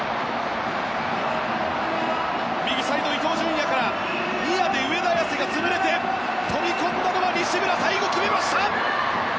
右サイドの伊東純也からニアで上田が潰れて飛び込んだのは西村最後決めました！